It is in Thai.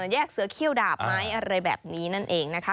แยกเสือเขี้ยวดาบไหมอะไรแบบนี้นั่นเองนะคะ